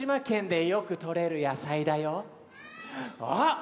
あっ！